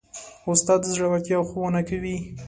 استاد د زړورتیا ښوونه کوي.